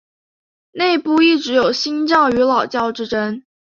内部一直有新教与老教之争。